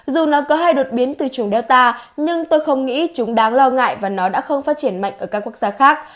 dù nó có hai đột biến từ chủng delta nhưng tôi không nghĩ chúng đáng lo ngại và nó đã không phát triển mạnh ở các quốc gia khác